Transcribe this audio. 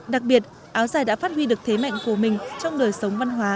đặc biệt áo dài đã phát huy được thế mạnh của mình trong đời sống văn hóa